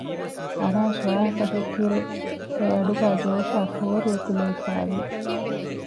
އަރާޝް ވާހަކަދެއްކިއިރު އެއަޑުގައި ޖޯޝާއި ފޯރި އެކުލެވިފައި ވި